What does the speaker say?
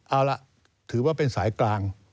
เอาล่ะถือว่าเป็นสายกลาง